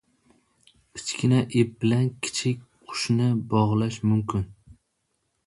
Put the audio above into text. • Kichkina ip bilan kichik qushni bog‘lash mumkin.